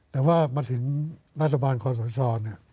แต่ว่ามาถึงรัฐบาลคอสชเนี่ย